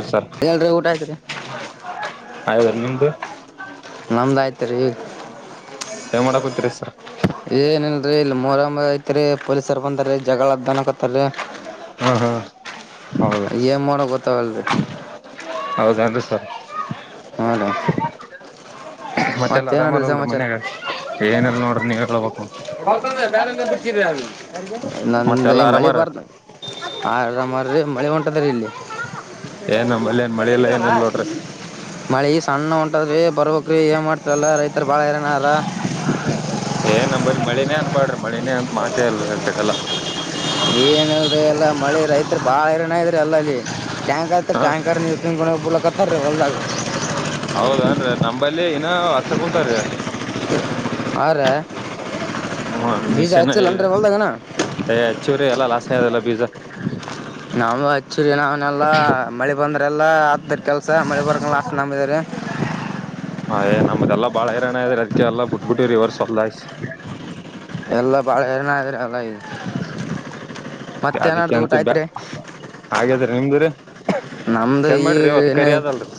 S sir ಎಲ್ರಿ ಊಟ ಆಯ್ತ್ರಿ ಆಗೇದ್ರಿ ನಿಮ್ದು ನಮ್ಮದು ಆಯ್ತು ರಿ ಪ್ಚ್ ಏನ್ ಮಾಡಾಕೂತಿರಿ ಸರ್ ಏನು ಇಲ್ಲ ರಿ ಇಲ್ಲಿ ಮೊರಂ ರಂ ಐತ್ರಿ ಪೊಲೀಸರ್ ಬಂದಾರ್ ರಿ ಜಗಳಂತ ಅನ್ನಕತ್ತಾರಾರಿ ಟಕ್ ಹಾ ಹಾ ಟಕ್ ಹೌದು ಟಕ್ ಏನು ಗೊತ್ತಾಗಲ್ಲ ರಿ ಹೌದ ದೆಂಡ್ರಿ ಸರ್ ಹು ಅಣ್ಣಾ ಮತ್ತೆಲ್ಲ ಆರಾಮಾರಲ್ರೀ ಮನ್ಯಾಗ ಏನೆಲ್ಲ ನೋಡ್ರಿ ನೀವ್ ಹೇಳಬೇಕು ಬಸು ಡೆ ಬ್ಯಾರೆ ಬಿಟ್ಟಿರಲ್ಲ ನಂದ್ ಮತ್ತೆಲ್ಲಾ ಮಳೆ ಆರಾಮಾರ ಬಾರ ಆದ್ರ ಮಾಡ್ರಿ ಮಳೆ ಹೊಂಟದ್ರಿ ರೀ ಇಲ್ಲಿ ಟಕ್ ಏನ್ ನಂಬಲ್ಲಿ ಏನ್ ಟಕ್ ಮಳಿ ಇಲ್ಲ ಎಂತ ಮಾ ಏನಿಲ್ಲ ನೋಡ್ರಿ ಮಳಿಸ್ ಹಣ್ಣ ಉಂಟದ್ರಿ ಬರ್ಬೇಕ್ ಏನ್ ಮಾಡ್ತಾರಲ್ಲ ರೈತರು ಭಾಳ ಏರನಾರ ಮಳನೇ ಅನ್ಬಾಡ್ರಿ ಮಳಿನೇ ಅಂತ ಮಾತ ಅಲ್ ಅಂತೇತೆಲ್ಲ ಏನ್ ಹೇಳಿ ಎಲ್ಲಾ ಮಳಿ ರೈತರು ಬಾಳ ಹಿರಣ ಇದ್ರರಿ ಅಲ್ಲಲ್ಲಿ. ಟ್ಯಾಂಕ ಆಯತ ಹ ಟ್ಯಾಂಕರ್ ನೀರ್ ತಿಕಬಲಕತ್ತಾರೀ ಹೊಲ್ದಾಗ. ಅಲ್ಲಿ ಏನ ಹಚ್ಚಕೊಂತಾರಿ. ಆರೆ ಹ್ಮ ಮಿಷನ್ ಈಗ ಹೊಲ್ದಾಗನ ಹೆಚ್ಚೂರಿ ಎಲ್ಲ ಲಾಸದೆಲ್ಲ ಬೀಜ. ನಾವು ಹಚ್ಚಿರಿ ನಾನಲ್ಲಾ ಮಳಿ ಬಂದ್ರೆಲ್ಲಾ ಹತ್ತ ಕೆಲಸ ಸರ್ ಮಳಿ ಬರ್ಗಿಲ್ಲಾ ಲಾಸ್ಟ ನಮ್ಮದೇರಿ ಹೈಯ ನಮ್ದಲ್ಲ ಬಾಳ ಹೈರಾಣ್ಯ ಅದರಿ ಎಲ್ಲಾ ಬಿಟ್ಬ ಬಿಟ್ಟಿವರಿ ಈವರ್ಷ ಸವಲ್ದ ಎಲ್ಲ ಬಾಳ ಹೈರಾಣ ಅದ ಆಗೇತ್ರಿ ಅದಕ್ಕೆ ಅನಿಸುತ್ತೆ ಆಗೇದ್ರಿ ನಿಮ್ಮದ್ರಿ ಕ್ಸ್ ನಮ್ದು ಕೆಮ್ಮುಬ್ಯಾಡ್ರಿ ಇವತ್ತು ಕರಿ ಅದಲ್ರಿ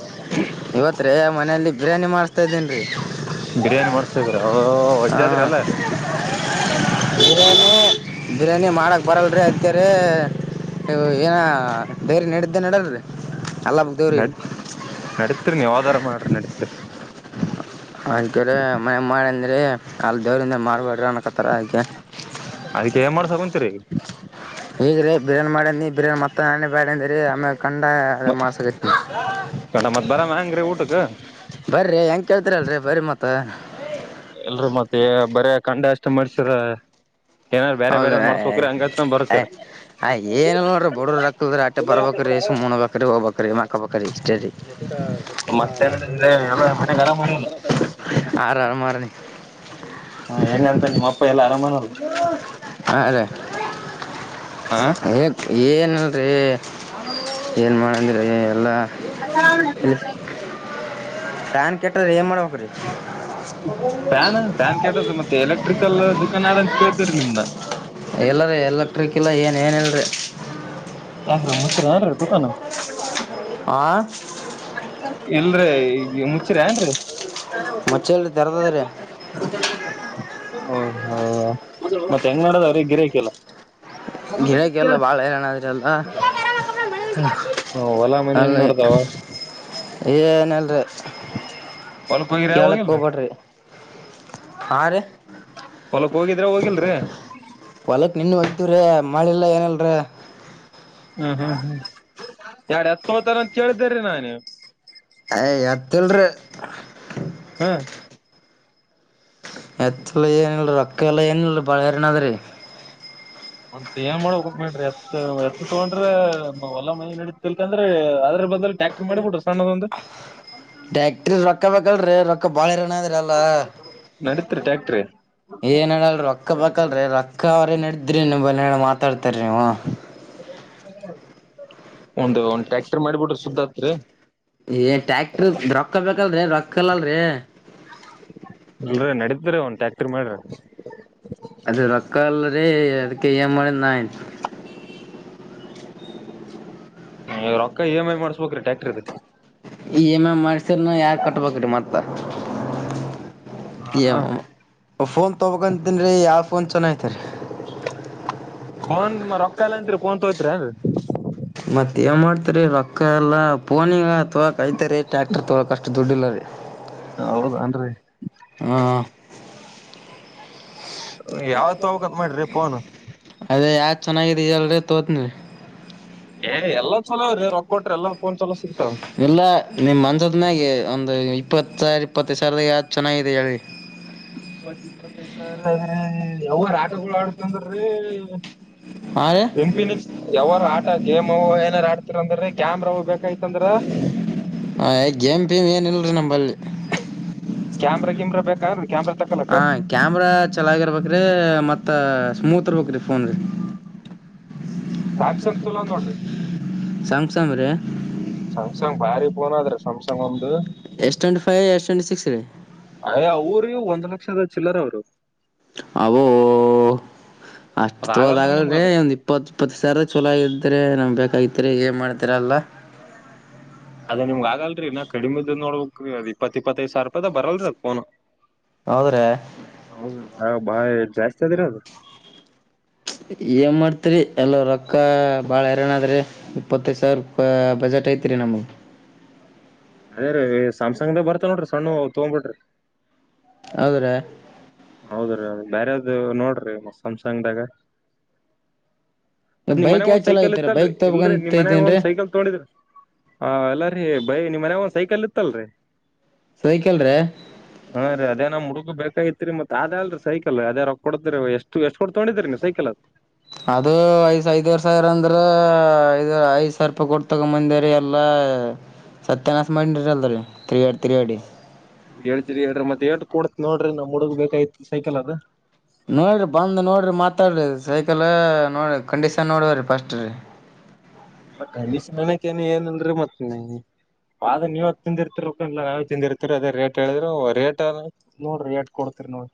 ಇವತ್ರಿ ಮನೆಯಲ್ಲಿ ಬಿರಿಯಾನಿ ಮಾಡ್ಸ್ತಾ ಇದ್ದೇನ್ ರೀ ಯವರ ಬಿರಿಯಾನಿ ಮಾಡ್ಸಿದ್ರಿ ಅವ ಹ ವಜ್ಜಾದ್ರಿ ಅಲ್ಲ ಇಇಇಇಇ ಏನೇ ಬಿರಿಯಾನಿ ಮಾಡಕ ಬರಲ್ ರಿ ಅಂತೀರಿ ರೀ ಈಗ ಏನ ಡೈರಿ ನಡೆತ್ತ ನಡೆಲ್ಲರೀ ನಡತ್ ನಡತ್ರಿ ನೀವು ಯಾವದರ ಮಾಡ್ರಿ ನಡತ್ರಿ ಆಯತ ರಿ ಮನೆ ಮಾಡಂದ್ರಿ ಅಲ್ ದೇವರಿಂದ ಮಾಡ್ಬೇಡ್ರಿ ಅನ್ನ ಕತ್ತಾರ ಆಯ್ಕ ಅದಕ್ಕೆ ಏನ್ ಮಾಡಸಗಂತೀರಿ. ಈಗ ರೀ ಬಿರಿಯಾನಿ ಮಾಡನಿ ಬಿಯಾನಿ ಮತ್ತೆ ನಾನೇ ಬೇಡಂದ ರೀ ಆಮ ಕಂಡ ಮಾಸಗಟ್ಟ. ಕಣ ಮತ್ ಬರಮ ಹೆಂಗ್ರಿ ಊಟಕ್ ಬರ್ರಿ ಹೆಂಗ ಕೇಳ್ತೀರಲ್ರಿ ಬರ್ರಿ ಮತ್ತ. ಇಲ್ರಿ ಮತ್ತೆ ಬರ ಕಂಡ ಅಷ್ಟ ಮಡಿಸರ. ಹೌದಯ್ಯ್ ಆ ಏನ ನೋಡ್ರಿ ಬಡ್ರ ರಕ್ಕಲ್ದ ಆಟ್ಟೆ ಬರ್ಬ್ರೀ [unintelligible] ಸುಮ್ಮೋ ಉಣ್ಣಬೆಕರಿ ಹೊಗಬೆಕರಿ ಮಕಬೆಕರಿ ಇಷ್ಟೆ ರಿ. ಮತ್ತೆ ಮನ್ಯಾಗ ಆರಾಮಲ್ಲ ಆರಮಾರಿ. ಹೆಂಗಂತ ನಿಮ್ಮ ಅಪ್ಪ ಎಲ್ಲಾ ಆರಾಮನಲ್ಲ ಹಾ ಅದೇ. ಹಾ ಏನ್ ಏನಿಲ್ರಿ ಏನ್ ಮಾಡಿಲಿ ರೀ ಎಲ್ಲ. [unintelligible] ಪ್ಯಾನ್ ಕೆಟ್ಟ್ರೇ ಏನ್ ಮಾಡುವ. [inaudible] ಫ್ಯಾನ್ ಫ್ಯಾನ್ ಕೇಟದ ಮತ್ತೆ ಎಲೆಕ್ಟ್ರಿಕಲ್ ದುಕಾನ್ ಅದ ಅಂತ ಕೇಳ್ತರಿ ನಿಮ್ನ ಎಲ್ಲದೆ ಎಲೆಕ್ಟ್ರಿಕ್ ಇಲ್ಲ ಏನ್ ಏನಿಲ್ರಿ. ಆರ ಮುಚ್ರ [unintelligible] ಆ ಇಲ್ರೀ ಹೆಂಗುಸ್ರೇನ್ರೀ. ಮಚ್ಚಲ್ರಿ ತೆರೆದದ ರೀ ಓಹೋ ಮತ್ತ್ ಹೆಂಗ್ ಮಾಡದ್ರೀ ಅವ್ರಿಗೆ ಗಿರಿಯಕಿಲ್ಲ. ಗಿರಾಕಿಯಲ್ಲ ಬಾಳ ಹೆರಣಾದ್ರಲ್ಲ. ಹೊಲ ಮನಿ ಹೆಂಗ್ ಅಲ್ಲೆ ನೋಡ್ದಾವ ಏನಿಲ್ರಿ. ಹೊಲಕ್ ಹೋಗಿರ ಕೆಳಕ್ ಹೋಗಿಲ್ರಿ ಹೋಗ್ಬೇಡ್ರಿ ಆ ರಿ. ಹೊಲಕ್ ಹೋಗಿದ್ರ ಹೋಗಿಲ್ರಿ. ಹೊಲಕ್ ಇನ್ನು ಹೊಯತೀವ್ರ ಮಳಿಲ್ಲ ಏನಿಲ್ರಿ. ಹ್ಮ್ ಹ್ಮ್ ಹ್ಮ್ ಯರಡ್ ಯತ್ ತಗೊತಾರೆ ಅಂತ ಕೇಳ್ದ್ರೀ ನಾನು. ಅಯ ಎತ್ತಲ್ರಿ ಹಾ ಎತ್ತಲ್ಲ ಏನಲ್ರಿ ರೊಕ್ಕ ಎಲ್ಲ ಏನಲ್ ಬಳಹಾರನದ್ರಿ. ಒತ್ ಏನ್ ಮಾಡ್ಬೇಕಂತ ಅದಕ್ಕೇ ಎತ್ ಎತ್ ತಗೊಂಡ್ರ ವಲ ಮನಿ ನೆಡಿತಿತೆ ಇಲ್ಲಂದ್ರೆ ಆದದ್ರ [unintelligible] ಬ ಟ್ಯಾಕ್ರ್ ಮಾಡಿ ಕೊಟ್ರ ಸಣ್ಣದೊಂದು. ಟ್ರ್ಯಕ್ಟ್ರಿ ರೊಕ್ಕ ಬೇಕಲ್ರಿ ರೊಕ್ಕ ಬಾಳ ಇರನದ್ರಿ ಅಲ್ಲ. ನಡೀತ್ರಿ ಟ್ಯಾಕ್ಟ್ರಿ ಏನನಲ್ರಿ ರೊಕ್ಕ ಬೆಕಲ್ರೀ ರೊಕ್ಕ ಅವ್ರೇನ್ ನಡೆದ್ರಿ ರೊಕ್ಕ ಮಾತಾಡ್ತಾರೆ ನೀವ. ಒಂದು ಒಂದ್ ಟ್ರ್ಯಾಕ್ಟರ್ ಮಾಡಿಬಿಟ್ರ ಸುದ್ದತ್ರಿ. ಏ ಟ್ಯಾಕ್ಟ್ರಿ ರೊಕ್ಕ ಬೇಕಲ್ರಿ ರೊಕ್ಕಲ್ಲಲ್ರರಿ. ಇಲ್ರಿ ನಡೀತ್ರಿ ಒನ್ ಟ್ಯಾಕ್ಟರಿ ಮಾಡ್ರಿ. ಅದು ರೊಕ್ಕ ಅಲ್‌ರೀ ಅದಕೆಯ ಏನ್ ಮಾಡ ನಾಯಿನ್ ಹೇ ರೊಕ್ಕ ಇ ಮ್ ಐ ಮಾಡ್ಸ್ಬೇಕ್ರೀ ಟ್ಯಾಕ್ಟರ್ ಏದುಕ್ಕೆ ಈ ಎಮ್ ಎ ಮಾಡಸಿದ್ರೆ ನಾ ಯಾಡ್ ಕಟ್ಬೇಕ್ರಿ ಮತ್ತ [unintelligible] ಮ್ಮ ಫೋನ್ ತೊಗೊಬೇಕಂತೀನ್ ರೀ ಯಾವ್ ಫೋನ್ ಚನ್ನಾಗೈತ್ರಿ. [unintelligible] ಫೋನ್ ಮ ರೊಕ್ಕ ಇಲ ಅಂತ್ರಿ ಫೋನ್ ತೋಗೊತಿರನ್ನು. ಮತ್ತ್ ಏನ್ ಮಾಡ್ತರಿ ರೊಕ್ಕ ಎಲ್ಲಾ ಪೋನಿಗ ತೋಕೈತೆರಿ ಟ್ಯಾಕ್ಟರ್ ತೋಳಕ್ ಅಷ್ಟ್ ದುಡ್ ಇಲ್ಲರಿ. ಹೌದನ್ರಿ ಹಾ ಯಾವತ್ ತಗೋಬೇಕಂತ ಮಾಡ್ರಿ ಫೋನ್ ಅದೇ ಯಾವ್ದ ಚೆನ್ನಾಗಾಗಿದೆಲ್ರಿ ತೋತಿನಿ. [inaudible] ಏ ಎಲ್ಲಾ ಚಲೋ ರೀ ರೊಕ್ಕ ಕೊಟ್ರಿ ಎಲ್ಲಾ ಫೋನ್ ಚಲೋ ಸಿಗ್ತಾವ ಇಲ್ಲ ನಿಮ್ [unintelligible] ಮನ್ಸದನಾಗೆ ಒಂದು ಇಪ್ಪತ್ತು ಸಾವಿರ ಇಪ್ಪತ್ತೈ ಸಾವಿರದಾಗ ಯಾವ್ದು ಚೆನ್ನಾಗಿದೆ ಹೇಳಿ ಇಪ್ಪತ್ ಇಪ್ಪತ್ತೈದ್ ಸಾವಿರಾ ಯಾವರ ಆಟಗಳು ಅಂದು ರೀ ಹಾ ರೀ ಇನ್ಫಿನಿಕ್ಸ್ ಯಾವಾರ ಆಟ ಗೇಮ್ ಏನಾರ ಆಡ್ತಿರಂದ್ರೆ ಕ್ಯಾಮ್ರಾವವು ಬೇಕಾಯಿ ತಂದ್ರೆ ರೀ ಹ ಹ ಗೇಮ್ ಟಿವಿ ಮ್ ಏನ್‌ಇಲ್ರಿ ನಮಲ್ಲಿ ಕ್ಯಾಮ್ರಾ ಗಿಮ್ರಾ ಬೇಕಾನ್ರಿ ಕ್ಯಾಮ್ರಾ ತಕೊಲಕ್ಕ ಹ ಕ್ಯಾಮೆರಾ ಚಲೋ ಆಗಿರ್ಬೇಕ ಮತ್ತ ಸ್ಮೂತ ಇರ್ಬೇಕು ರೀ ಫೋನ್ ಸ್ಯಾಮ್ಸಂಗ್ ಚಲೋ ನೋಡ್ರಿ ಸಾಂಮ್ ಸಂಮ್ ರಿ ಸಂಮ್ ಸಾಂಗ್ ಬಾರಿ ಪೋನ್ ಆದ್ರೆ ಸಂಮ್ ಸಾಂಗು ದು S twenty five S twenty six ರಿ ಅಯ ಅವರು ಒಂದ್ ಲಕ್ಷದ ಚಿಲ್ಲರ ಅವ್ರು ಅಬೋ ಅಷ್ಟ್ ಅದ ತೊಗೋದ ಆಗಲ್ರಿ ನಿಮ್ಗ ಆಗಲ್ರೀ ಅದ ಒಂದ್ ಇಪ್ಪತ್ತು ಇಪ್ಪತ್ತು ಸಾವಿರ ಚಲೋ ಇದ್ರೆ ನಮ್ ಬ ಕೈತ್ರೆ ಏನ್ ಮಾಡ್ತೀರ ಅಲ್ಲ ಅದೇ ನಿಮ್ ಆಗಲ್ರರಿ ಇನ್ನ ಕಡಿಮೆ ನೋಡ್ಬೇಕ ರೀ ಅದ್ ಇಪ್ಪತ್ ಇಪ್ಪತ್ತೈದು ಸಾವಿ ರೂಪಾಯ್ದ ಬರಲ್ರಿ ಅದ್ಫೋನ್ ಹೌದ್ರಿ ಹಾಬ್ಬ ಯ್ ಜಾಸ್ತಿ ನೇ ಅದು ಏನ್ ಮಾಡ್ತಿರಿ ಎಲ್ಲ ರೊಕ್ಕ ಭಾಳ ಎರನ ಆದ್ರೆ ಇಪ್ಪತ್ತೈದು ಸಾವಿರ ರೂಪ ಬಜೆಟ್ ಐತಿರಿ ನಮ್ಗ ಅದೇ ರೀ ಸ್ಯಾಮ್ಸಂಗ್ ಬರ್ತ ನೋಡ್ರಿ ಸಣ್ಣವು ಅವು ತಗೊಂಡ್ಬಿಟ್ರಿ ಹೌದ್ರೆ ಹೌದ್ರೀ ಬ್ಯಾರಾವ್ದ ನೋಡ್ರಿ ಸಂಮ್ಸಾಂಗ್ದ ಗ ಅದ್ ನಿಮ ಬೈಕ್ ಮನ್ಯಾಗ ಯಾವ್ ಒಂದ್ ಚಲೋ ಸೈಕಲ್ ಐತ್ರಿ ಇತ್ತಲ್ರರಿ ಬೈಕ್ ಇಲ್ರರಿ ತಗಬೇಕಂತ ನಿಮ್ ಮನ್ಯಾಗ ಇದೇನ್ರಿ ಒಂದ್ ಸೈಕಲ್ ತಗೋಡಿದ್ರಿ ಹ ಎಲ್ಲ ರೀ ಬೈ ನಿಮ ಮನ್ಯಾಗ ಒಂದ್ ಸೈಕಲ್ ಇತ್ತ ಅಲ್ರಿ ಸೈಕಲ್ ರೀ ಹಾ ರೀ ಅದೇ ನಮ್ ಹುಡುಗ ಬೇಕಾಗಿತ್ರಿ ಮತ್ತತ್ ಅದೇ ಅಲ್ರಿ ಸೈಕಲ್ ಅದೇ ರೊ ಕೊಡ್ತರಿ ಎಷ್ಟು ಎಷ್ಟು ಕೊಡ್ ತೊಂಡಿದ್ರರಿ ನೀ ಸೈಕಲ್ದು ಐದ್ವ ಸಾವಿರ ಅಂದ್ರ ಐದ ಐ್ ಸಾವಿರ ರೂಪಾಯಿ ಕೊಟ್ಟ ತಗೊಂಬಂದರಿ ಎಲ್ಲಾ ಸತ್ಯನಶ ಮಾಡ್ ಅಲ್ಲ ರೀ ತಿರ್ಗಾಡಿ ತಿರ್ಗಾಡಿ ಹೇತತಿರಿ ಹೇಳ್ರಿ ಮತ್ತತ್ ಎಳ್ ಕ ಕೊಡತ್ ನೋಡ್ರಿ ನಮ್ ಹುಡುಗ್ ಬೇಕಾಯತ್ ಸೈಕಲ್ ಅದು ನೋಡ್ರಿ ಬಂದ್ ನೋಡ್ರಿ ಮಾತಾಡ್ರಿ ಸೈಕಲ್ ನೋಡ್ರ ಕಂಡೀಷನ್ ನೋಡವ್ರಿ ಫಸ್ಟ್ ರೀ ಕಂಡಿಷನಕೇ ಏನನ್ರಿ ಮತ್ತ ಪಾಗ ನೀವ್ತ್ ತಿಂದ ಇರ್ತಿರ ಯಾವ ತಿಂದಿರ್ತರಿ ಅದೇ ರೇಟ್ ಹೇಳಿದ್ರರು ರೇಟ್ ನೋಡ್ರಿ ಎಷ್ಟು ರೇಟ್ ಕೊಡ್ತಿರಿ ನೋಡ್ರಿ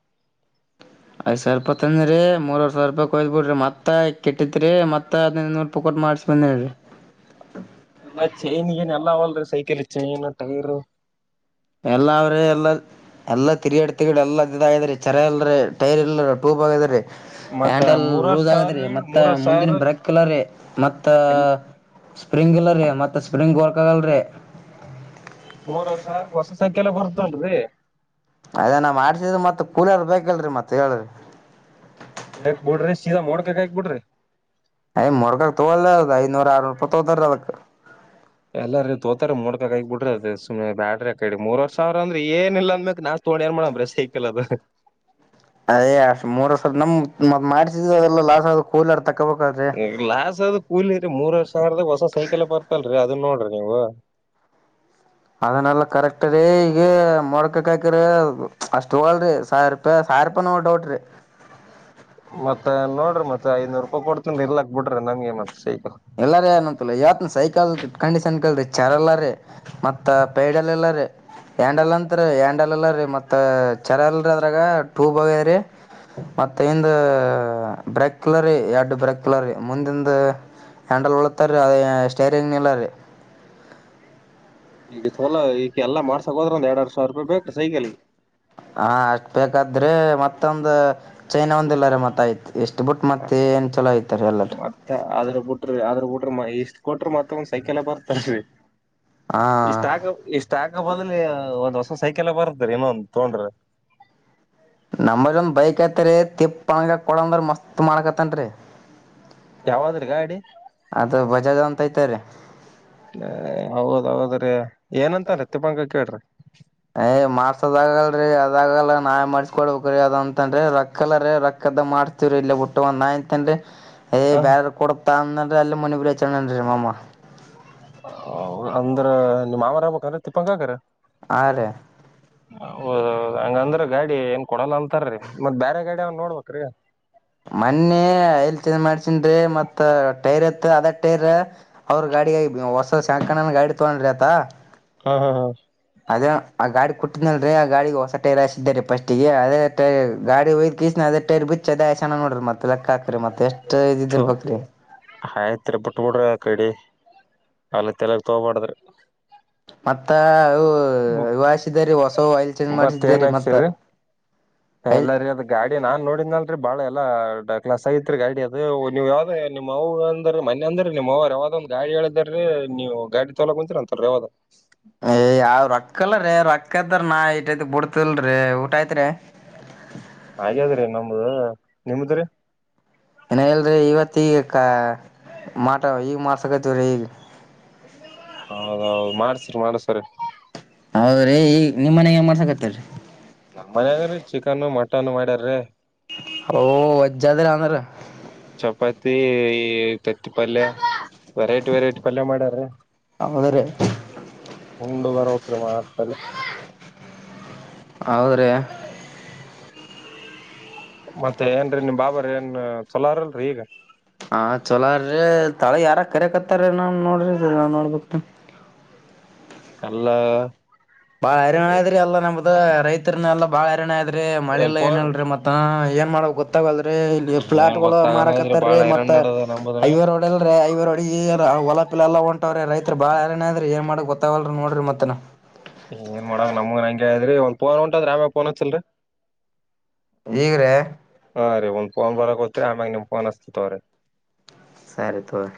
ಐದ್ ಸಾವಿರ ರೂಪಾಯಿ ತನ್ನಿರಿ ಮೂರ್ವರ್ ಸಾವಿರ ರೂಪಾಯಯ್ ಬಿಡ್ರಿ ಮತ್ತತ್ ಕೆಟ್ಟಿತ್ರಿ ಮತ್ತ ಐದಿನೈದು ರೂಪ ಮಾರ್ ಮ [inaudible] ಎಲ್ಲ ಚೈನ್ಗಏನ್ ಎಲ್ಲ ಅವಲ್ರಿ ಸೈಕಲ್ ಚೈನ್ ಟೈರು ಎಲ್ಲ ಅವ್ರ ಎಲ್ಲ ಎಲ್ಲಾ ತಿರುಗಾಡ್ ತಿಗಳು ಎಲ್ಲಾ ಇದ್ರ ಚರ ಎಲ್ರ ಟೈರ್ ಇಲ್ರ ಟೂ ಬ್ ಹೋಗಿದ್ರಿ ಮತ್ತ ಹ್ಯಾಂಡಲ್ ಮೂರವರ್ ಲೂಸ್ ಆಗದ್ರಿ ಸಾವಿರ ಮತ್ತ ಮೂರವರ್ ಸಾವಿರ ಮುಂದಿನ ಬ್ರೇಕ್ ಇಲ್ಲ ರೀ ಮತ್ತ ಎಲ್ ಸ್ಪ್ರಿಂಗ್ ಇಲ್ಲ ರೀ ಮತ್ತೆ ಸ್ಪ್ರಿಂಗ್ ವರ್ಕ್ ಆಾಗಲ್ ರೀ. ಮೂರವರ್ ಸಾವಿರ ಹೊಸ ಸೈಕಲ್ ಬರ್ತಲ್ರಿ. ಅದೇ ನಾ ಮಾಡಡ್ಸಿದ ಮತ್ತತ್ ಕೂಲಿಯರ್ ಬೇಕಲ್ರರಿ ಮತ್ತತ್ ಹೇಳ್ರಿ. ಹಕ್ ಬಿಡ್ರಿ ಶೀದಾ ಮೋಡ್ಕ ಹಕ್ ಬಿಡ್ರಿ ಯ್ ಮೊರ್ಗಕ ತಗೋಲ್ಲ ಅದ ಐನೂರ ಆರ್ನೂರು ರೂಪಾಯ ತೋದಾರ ಅದಕ್ ಗಗ್ ಬುಡ್ರಿ ಅದು ಸುಮ್ನೆ ಬ್ಯಾರಕಡಿ ಮೂರ್ವರ್ ಸಾವಿರಂದ್ರ ಏನಿಲ್ಲ ಅಂದಬೇಕ ನಾ ತಗೋಂಡು ಯಾನ್ ಮಾಡಬ್ರೆ ಸೈಕಲ್ ಅದು ಮ್ ಮಾಡಸಿದ ಅದೆಲ್ಲ ಲಾಸ್ ಆದ ಕೂಲಿ ಲಾಸ್ ಆದದ ಕೂಲಿ ರರಿ ಮೂರ್ವರ್ ಸಾವಿರದಾಗ ಹೊಸ ಸೈಕಲ್ ಬರುತ್ತಿಲ್ಲ ಅದನ್ ನೋಡ್ರಿ ನೀವು ಅದನ್ನಲ್ಲ ಕರೆಕ್ಟ್ ರೀ ಈಗ ಮೋಡ್ಕಕ್ ಹಾಕ್ಕಿದ್ರಿ ಅಷ್ಟ್ ತಗೋಳಲ್ರಿ ಸಾವಿರ ರೂಪಾಯಿ ಯಾರ್ಪ ನೋ ಡೌಟ್ ರೀ ಮತ್ತೆ ನೋಡ್ರಿ ಮತ್ತೆ ಐದನೂರು ರೂಪಾಯಿ ಕೊಡ್ತನ್ ಇರ್ಲಾಕ್ ಬಿಡ್ರಿ ನಮ್ಗೆ ಮತ್ತ ಸೈ ಎಲ್ಲಾರ ಅಏನಂತಲ್ಲ ಯವತ್ನ ಸೈಕಲ್ ಕಂಡೀಷನ್ ಕಲ್ರಿ ಚಾರ್ ಎಲ್ಲಾರ ಮತ್ತ ಪೈಡಲ್ ಇಲ್ಲ್ ರಿ. ಆ್ಯಂಡಲ್ ಅಂತರಿ ಆ್ಯಂಡಲ್ ಎಲ್ಲ ರೀ ಮತ್ತ ಚರ ಎಲ್ರ ಅದ್ರಾಗ ಟೂಬ್ ಹೋಗ್ಯದ ರಿ ಮತ್ತ ಇಂದ ಬ್ರಕ್ಲರಿ ಎರಡು ಬ್ರಕ್ಲರಿ ಮುಂದಿಂದ, ಹ್ಯಾಂಡಲ್ ಉಳತ್ತಾರೀ ಅದೇ ಸ್ಟೇರಿಂಗ್ ನಿಲ್ಲ ರೀ. ಈಗ ಸೋಲಾ ಈಗ ಎಲ್ಲ ಮಾಡ್ಸ ಹೋದ್ರೆಂದ ಎರಡ್ ಸಾವರ ರೂಪಾಯಿ ಬೇಕು ಸೈಕಲ್ಗಿ. ಹಾ ಅಷ್ಟ ಬೇಕಾದ್ರೆ ಮತ್ತೊಂದು ಚೈನಾ ಒಂದಿಲ್ಲಾರೆ ಮತ್ತ ಆಯ್ತು. ಎಷ್ಟು ಬಿಟ್ಟು ಮತ್ತೆ ಏನ್ ಚಲೋ ಐತಾರೆ ಎಲ್ಲಾಟ. ಮತ್ತ ಅದ್ರ ಬಿಟ್ರಿ ಅದ್ರ ಬಿಟ್ರಿ ಇಷ್ಟ್ ಕೊಟ್ರರು ಮತ್ರ ಒಂದ್ ಸೈಕಲ್ ಬರ್ತಲಾರಿ. ಹಾ ಇಷ್ಟು ಆಕ ಇಷ್ಟು ಆಕ ಬಂದಲೂ ಒಂದ್ ಹೊಸ ಸೈಕೆಲ್ ಬರ ಡ್ರ ಇನೊಂದ ತೊಂಡ್ರಾ. ನಮ್ಮದ ಒಂದ್ ಬೈಕ್ ಐತರಿ ತಿಪ್ಪ ಅಗ ಕೊಡಂದ್ರ ಮಸ್ತ್ ಮಾಡ್ಕತ್ತನ್ರಿ ಯಾವಾದ್ರಿ ಗಾಡಿ ಅದು ಬಜಾದ ಅಂತ ಐ್ತರಿ. ಹ ಹೌದೌದ್ರೀ. ಏನಂತಾರೆ ತಿಪ್ಪಂಗ ಕೇಳ್ರಿ. ರಿ ಅದಾಗಲ್ಲ ನಾಯ್ ಮಾಡಸ್ಕೊಡ್ಬೇಕ್ರೀ ಅದು ಅಂತ ಅ್ರ ರೊಕ್ಕಲ್ಲ ರೀ ರಕ್ಕದ ಮಾಡ್ ಇಲ್ಲ ಬಿುಟ್ಟ ಒಂದ್ ಆಯಂತನ್ರಿ ಬ್ಯಾರರ್ ಕೊಡ [unintelligible] ಅಂದ್ರ ನಿಮ್ಮ್ ಮಾವರ ಹ್ಯಾಗ್ಬೀಕ್ನರಿ ತಿಪ್ಪಾಂನ್ನಾ ಕಾಕರ. ಹಾರಿ. ಹೌದ್ದ ಹಂಗಂದ್ರ ಗಾಡಿ ಏನ್ ಕೊಡಲ್ಲ ಅಂತಾರೀ ಮತ್ತ್ ಬೇರೆ ಗಾಡಿ ಅವನ್ ನೋಡ್ಬ್ರಿ ಮೊನ್ನಿ ಐಲ್ ಚಂದ್ ಮಾಡ್ಸನ್ರಿ ಮತ್ ಟೈರ್ ಇತ್ ಅದೇ ಟೈರ್ ಅವ್ರ ಗಾಡ ಹೊಸ ಶಂಕಣನ ಗಾಡಿ ತಗೊಂಡ್ರಿ ಆತ. ಹಾ ಹಾ ಹಾ. ಅದ ಆ ಗಾಡಿ ಕುಟ್ಟಿದ್ನಲ್ರಿ ಆ ಗಾಡಿಗೆ ಹೊಸ ಟೈರ್ ಹಾ ಕಸಿದ ರೀ ಫಸ್ಟ್ಗೆ ಅದೇ ಗಾಡಿ ಹಯದ್ ನ ಅದಟೇರ್ ಬಿಚ್ ಅದ ಚನ ನೋಡ್ರಿತ್ತಲ್ಲ ಲೇಕ್ ಹಾಕರಿ. ಮತ್ತೆಷ್ಟು ಆಯ್ತ್ರಿ ಬಿುಟ್ಬಿಡ್ರಿ ಅಕಡಿ. ಅಲ್ಲಿ ತೆಲೆಗ ತೊಗಬಾಡದರಿ. [inaudible] ಮತ್ತ ವಿವಾಯಿಸಿದರಿ ಹೊಸ ವಯಲ್ ಚೇಂಜ್ ಮಾಡ್ಸರಿ ಮತ್ತ. ಆಯಿಲ್ ಎಲ್ಲಾರಿ ಅದ್ ಗಾಡಿ ನಾನ್ ನೋಡಿದ್ನಲ್ರಿ ಬಾಳ ಎಲ್ಲಾ ಡಕ್ಲಾಸ್ ಆಗಿತ್ತ್ರಿ ಗಾಡಿ ಅದ. ಅದ ನೀವು ಯಾವ್ದ ನಿಮ್ಮ ಅವು ಅಂದ್ರ ಮನೆ ಅಂದ್ರ ನಿಮ್ಮ್ವ ಯಾವ್ದ ಒಂದ್ ಗಾಡಿ ಹೇಳಿದೀ ನೀವು ಗಾಡಿ ತಲೋ [unintelligible] ಏ ಯಾವ್ ರೊಕ್ಕ ಇಲ್ಲ್. ರೊಕ್ಕದ್ರ ನಾ ಐ ಬಿಡ್ತಲ್ರಿ ಊಟ ಐತ್ರಿ. ಆಗ್ಯದ್ರಿ ನಮ್ದ ನಿಮದ್ರಿ. ಇನ ಇಲ್ರಿ ಇವತ್ತ ಈಗ ಕ ಮಾಟ ಈಗ ಮಾಡಸಕತವ್ರಿ ಈಗ. ಹೌದೌದು ಮಾಡಿಸಿ ಮಾಡಿಸಿ ಹೌದ್ರಿ ನಿಮ್ಮ ಮನೆ ಏನ್ ಮಾಡಿಸಕತ್ತಿರಿ ನಮ್ಮ ಮನಾಗ್ರೀ ಚಿಕನ್ ಮಟನ್ ಮಾಡ್ಯಾರಿ ಓ ಜನ್ನ ಅಂದ್ರೆ ಚಪಾತಿ ಈ ತತ್ತಿಪಲ್ಯ. ವೆರೈಟಿ ವೆರೈಟಿ ಪಲ್ಯ ಮಾಡ್ಯಾರ. ಹೌದರಿ. [unintelligible] ಹೌದ್ರಿ. ಮತ್ತೆ ಏನರಿ ನಿಮ್ ಬಾಬಾರ ಏನ್ ಚೊಲೋರಲ್ರರಿ ಈಗ. ಹಾ ಚೊಲೋರೀ ತಳಗ ಯಾರ ಕರಿಕತ್ತಾರ ನಾನ್ ನೋಡ್ರಿ ನ ನೋಡ್ಬಕ್ ಅಲ್ಲ. ಬಾಳ ಐರಾಣ ಆದ್ರಿ ಎಲ್ಲಾ ನಮ್ದ ರೈತರನ ಎಲ್ಲಾ ಬಾಳ ಐರಣ ಆಯದ್ರರಿ ಮಳೆಲ್ಲ ಏನ್ ಹೇಳರಿ ಮತ್ತ ಏ ಗಲ್ ಇಲ್ಲಿ ಫ್ಲಾಟ್ ಏನ್ ಗಳು ಗೊತ್ತಾಗಲ್ಲ ಇದ್ರಿ ಮಾರಕತ್ತಾರೀ ಬಾಳ ಮತ್ತ ಹೈರಾಣ ನಡದ ನಂಬುದ್ರ ಐವ ರೋಡ್ ಅಲ್ರೀ ಐವ ರೋಡ್. ಹೊಲಪಿಲ್ ಎಲ್ಲ ಹೊಂಟವ್ರ ರೈತ್ ಬಾಳ ಹೈನಾರ ಅಗ್ಯಾರ ಏನ್ ಮಾಡಾ ಗೊತ್ತಾವಲ್ರ ನೋಡಿ ಮತ್ತನ ಏನ್ ಮಾಡಾಕ್ ನಮಗನ್ ಹಂಗೆ ಆಗ್ಯದ್ರಿ ಒಂದ್ ಫೋನ್ ಒಂಟುದ್ರೆ ಆಮೇಲೆ ಫೋನ್ ಹಚ್ಚಿರಿ ಈಗ್ರೇ ಹ ರೀ ಒಂದ್ ಫೋನ್ ಬರೋತ್ರಿ ಆಮ್ಯಾಗ ನಿಮ್ ಫೋನ್ ಹಚ್ಚಿತೀನಿ ತಕೋರಿ ಸರಿ ತಕೋರಿ